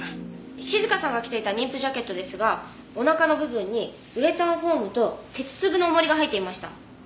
静香さんが着ていた妊婦ジャケットですがお腹の部分にウレタンフォームと鉄粒の重りが入っていました。